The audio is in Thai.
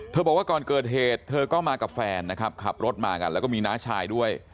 บอกว่าก่อนเกิดเหตุเธอก็มากับแฟนนะครับขับรถมากันแล้วก็มีน้าชายด้วย